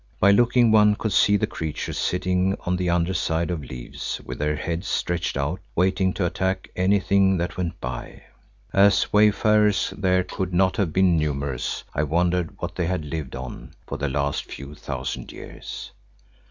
By looking one could see the creatures sitting on the under side of leaves with their heads stretched out waiting to attack anything that went by. As wayfarers there could not have been numerous, I wondered what they had lived on for the last few thousand years.